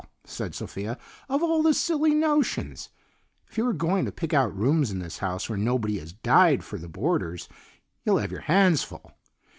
said Sophia, "of all the silly notions! If you are going to pick out rooms in this house where nobody has died, for the boarders, you'll have your hands full.